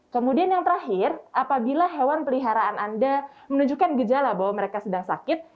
kemudian yang terakhir apabila hewan peliharaan anda menunjukkan gejala bahwa mereka sedang sakit